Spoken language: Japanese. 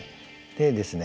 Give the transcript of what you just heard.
でですね